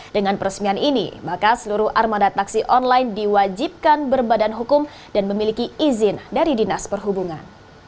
dengan peresmian ini maka seluruh armada taksi online diwajibkan berbadan hukum dan memiliki izin dari dinas perhubungan